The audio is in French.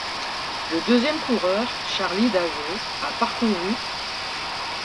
Le deuxième coureur, Charlie Davey, a parcouru .